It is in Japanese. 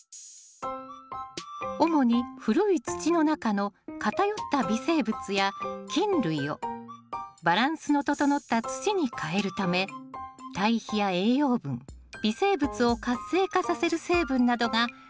主に古い土の中の偏った微生物や菌類をバランスの整った土に変えるため堆肥や栄養分微生物を活性化させる成分などが入っています。